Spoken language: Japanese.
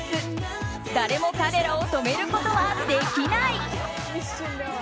誰も彼らを止めることはできない。